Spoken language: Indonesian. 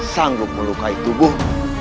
sanggup melukai tubuh